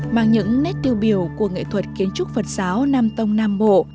mang những nét tiêu biểu của nghệ thuật kiến trúc phật giáo nam tông nam bộ